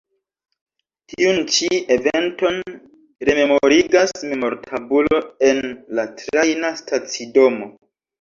Tiun ĉi eventon rememorigas memortabulo en la trajna stacidomo.